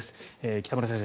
北村先生